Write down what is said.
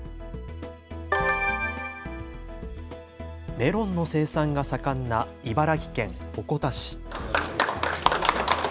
メロンの生産が盛んな茨城県鉾田市。